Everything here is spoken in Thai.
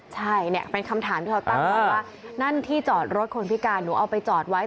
ใช่เนี่ยเป็นคำถามที่เขาตั้งไว้ว่านั่นที่จอดรถคนพิการหนูเอาไปจอดไว้